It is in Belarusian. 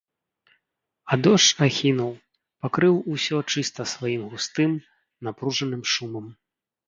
А дождж ахінуў, пакрыў усё чыста сваім густым, напружаным шумам.